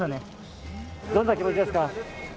どんな気持ちですか。